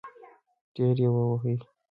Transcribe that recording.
ډېر يې ووهی .